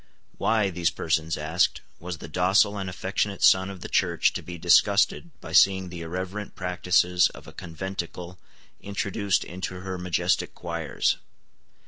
Why, these persons asked, was the docile and affectionate son of the Church to be disgusted by seeing the irreverent practices of a conventicle introduced into her majestic choirs?